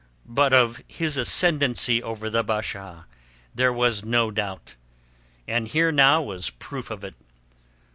But of his ascendancy over the Basha there was no doubt. And here now was proof of it.